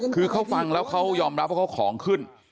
คือเขาฟังแล้วเขายอมรับว่าเขาของขึ้น